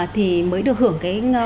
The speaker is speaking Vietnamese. thì mới được hưởng cái